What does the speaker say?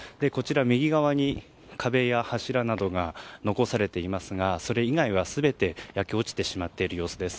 右側に壁や柱などが残されていますがそれ以外は全て焼け落ちてしまっている様子です。